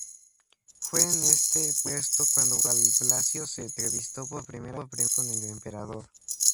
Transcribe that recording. Fue en este puesto cuando Blasio se entrevistó por primera vez con el emperador.